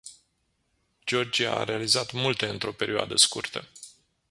Georgia a realizat multe într-o perioadă scurtă.